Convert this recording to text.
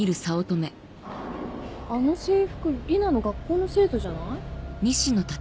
あの制服里奈の学校の生徒じゃない？